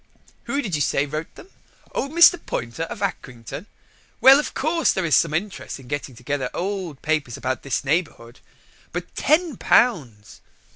Who did you say wrote them? Old Mr. Poynter, of Acrington? Well, of course, there is some interest in getting together old papers about this neighbourhood. But Ten Pounds!"